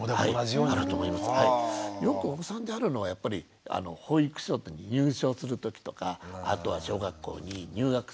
よくお子さんであるのはやっぱり保育所入所する時とかあとは小学校に入学する時。